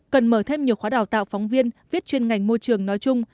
cần mở thêm nhiều khóa đào tạo phóng viên viết chuyên ngành môi trường nói chung